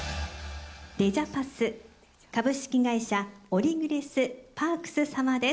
レジャパス、株式会社オリグレスパークス様です。